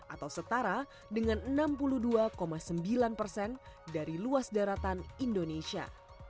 atau setara dengan enam puluh dua sembilan persen dari luas daratan indonesia